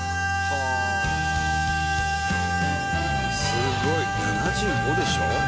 「すごい７５でしょ？」